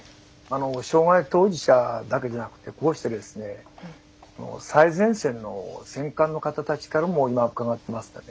障害当事者だけじゃなくてこうして最前線の選管の方たちからも今伺っていますからね。